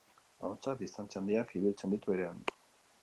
Hautsak distantzia handiak ibiltzen ditu airean.